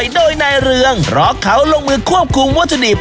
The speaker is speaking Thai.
โดยนายเรืองเพราะเขาลงมือควบคุมวัตถุดิบ